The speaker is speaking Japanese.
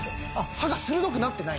刃が鋭くなってない。